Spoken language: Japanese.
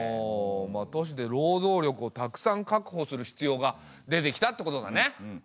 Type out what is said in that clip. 都市で労働力をたくさん確保する必要が出てきたってことだね。